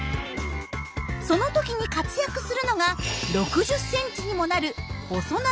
その時に活躍するのが６０ｃｍにもなる細長い舌なんです。